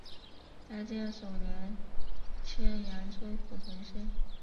嘉靖二十五年迁扬州府同知。